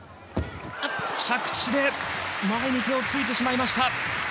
着地で前に手をついてしまいました。